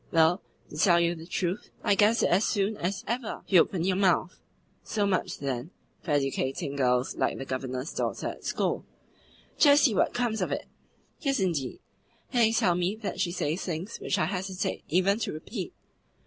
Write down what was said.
"Well, to tell you the truth, I guessed it as soon as ever you opened your mouth." "So much, then, for educating girls like the Governor's daughter at school! Just see what comes of it!" "Yes, indeed! And they tell me that she says things which I hesitate even to repeat."